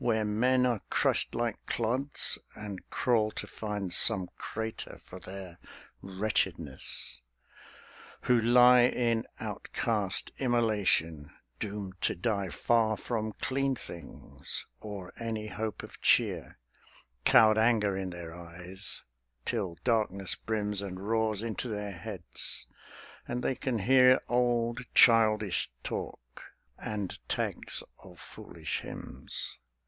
Where men are crushed like clods, and crawl to find Some crater for their wretchedness; who lie In outcast immolation, doomed to die Far from clean things or any hope of cheer, Cowed anger in their eyes, till darkness brims And roars into their heads, and they can hear Old childish talk, and tags of foolish hymns.